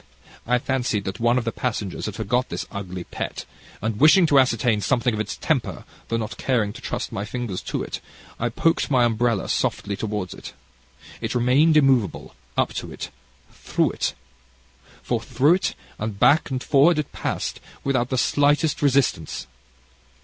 I fancied that one of the passengers had forgot this ugly pet, and wishing to ascertain something of its temper, though not caring to trust my fingers to it, I poked my umbrella softly towards it. It remained immovable up to it through it. For through it, and back and forward it passed, without the slightest resistance.